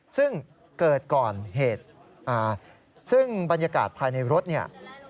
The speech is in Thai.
ซึ่งเกิดก่อนเหตุซึ่งบรรยากาศภายในรถเนี่ย